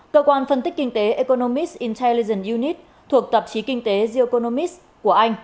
cơ quan phân tích kinh tế economist intelligence unit thuộc tạp chí kinh tế geoeconomist của anh